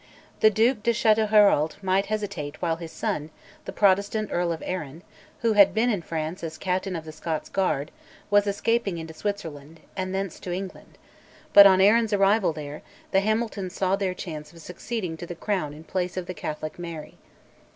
The Duc de Chatelherault might hesitate while his son, the Protestant Earl of Arran, who had been in France as Captain of the Scots Guard, was escaping into Switzerland, and thence to England; but, on Arran's arrival there, the Hamiltons saw their chance of succeeding to the crown in place of the Catholic Mary.